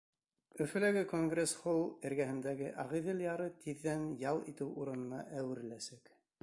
Өфөләге Конгресс-холл эргәһендәге Ағиҙел яры тиҙҙән ял итеү урынына әүереләсәк.